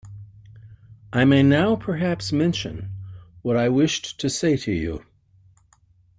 I may now perhaps mention what I wished to say to you?